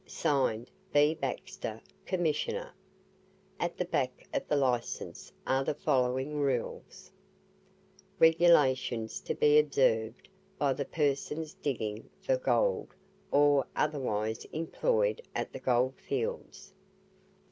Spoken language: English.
(SIGNED) B. BAXTER, Commissioner. At the back of the Licence are the following rules: REGULATIONS TO BE OBSERVED BY THE PERSONS DIGGING FOR GOLD, OR OTHERWISE EMPLOYED AT THE GOLD FIELDS.